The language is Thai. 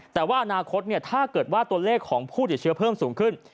แต่ว่าอนาคตถ้าเกิดว่าตัวเลขของผู้ติดเชื้อเพิ่มสูงขึ้น